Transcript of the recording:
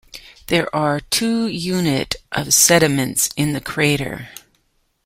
There are two unit of sediments in the crater.